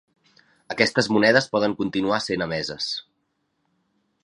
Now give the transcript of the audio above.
Aquestes monedes poden continuar sent emeses.